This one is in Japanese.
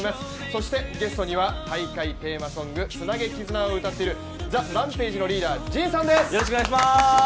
そしてゲストには大会テーマソング「ツナゲキズナ」を歌っているＴＨＥＲＡＭＰＡＧＥのリーダー陣さんです。